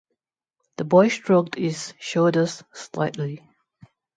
The boy shrugged his shoulders slightly.